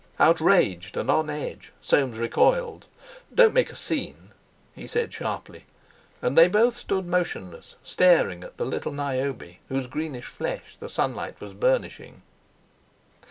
Outraged and on edge, Soames recoiled. "Don't make a scene!" he said sharply. And they both stood motionless, staring at the little Niobe, whose greenish flesh the sunlight was burnishing.